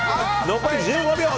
残り１５秒。